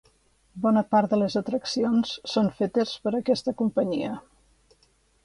Bona part de les atraccions són fetes per aquesta companyia.